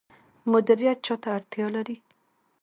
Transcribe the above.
مدیریت چا ته اړتیا لري؟